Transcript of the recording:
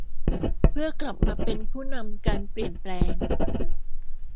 เพื่อกลับมาเป็นผู้นำการเปลี่ยนแปลง